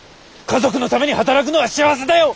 家族のために働くのは幸せだよ！